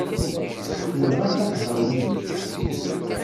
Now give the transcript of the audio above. Ḥemmleɣ ad laqbeɣ Yidir.